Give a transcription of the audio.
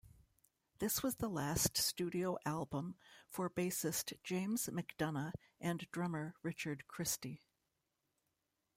This was the last studio album for bassist James MacDonough and drummer Richard Christy.